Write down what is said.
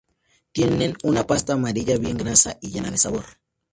Tienen una pasta amarilla, bien grasa y llena de sabor.